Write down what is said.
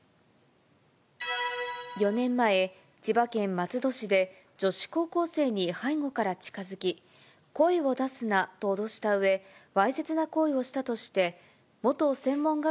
４年前、千葉県松戸市で、女子高校生に背後から近づき、声を出すなと脅したうえ、わいせつな行為をしたとして、元専門学